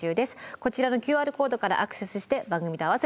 こちらのＱＲコードからアクセスして番組と併せてご覧下さい。